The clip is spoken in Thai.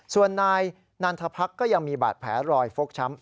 ส่วนนายนันทพรรคก็ยังมีบาดแผลรอยฟกช้ำ